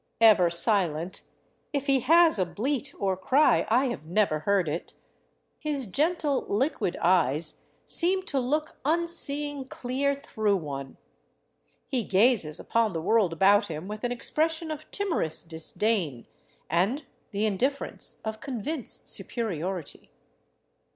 Ever silent — if he has a bleat or cry, I have never heard it — his gentle, liquid eyes seem to look unseeing clear through one; he gazes upon the world about him with an expression of timorous disdain and the indifference of convinced superiority.